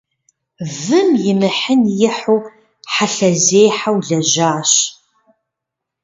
Вым имыхьын ихьу хьэлъэзехьэу лэжьащ.